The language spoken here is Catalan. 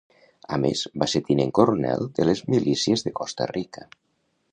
A més, va ser tinent coronel de les milícies de Costa Rica.